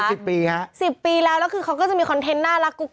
ใช่๑๐ปีครับครับ๑๐ปีแล้วแล้วคือเขาก็จะมีคอนเทนต์น่ารักกุ๊กกิ๊ก